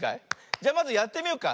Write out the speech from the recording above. じゃまずやってみよっか。